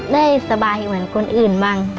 ได้สบายเหมือนคนอื่นบ้าง